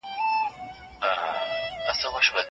هغه د خپلې پوهې له مخې تخلیقي ادب شننه کوي.